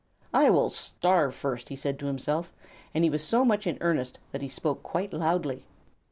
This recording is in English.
"I will starve first!" he said to himself, and he was so much in earnest that he spoke quite loudly.